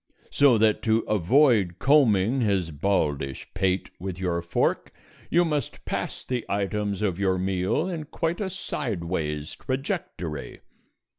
So that to avoid combing his baldish pate with your fork you must pass the items of your meal in quite a sideways trajectory.